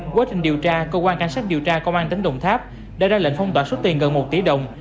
quá trình điều tra cơ quan cảnh sát điều tra công an tỉnh đồng tháp đã ra lệnh phong tỏa số tiền gần một tỷ đồng